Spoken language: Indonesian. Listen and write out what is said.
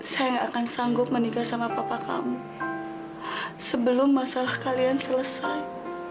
saya gak akan sanggup menikah sama papa kamu sebelum masalah kalian selesai